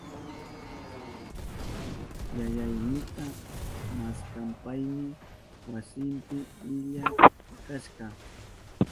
Yayaynita maskashpayni wasinpi illa kashka.